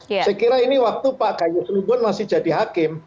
saya kira ini waktu pak gayus lubun masih jadi hakim